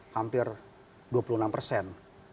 hampir dua puluh enam persen